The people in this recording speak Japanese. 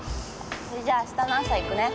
それじゃあ明日の朝行くね。